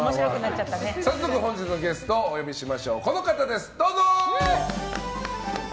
早速、本日のゲストをお呼びしましょう。